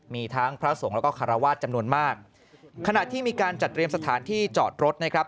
มีทั้งพระสงฆ์แล้วก็คารวาสจำนวนมากขณะที่มีการจัดเตรียมสถานที่จอดรถนะครับ